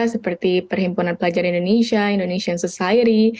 seperti perhimpunan pelajar indonesia indonesian society